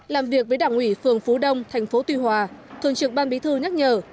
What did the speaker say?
làm việc với đảng ủy phường phú đông thành phố tuy hòa thường trực ban bí thư nhắc nhở